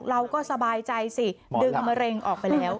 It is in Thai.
เราก็สบายใจสิดึงมะเร็งออกไปแล้ว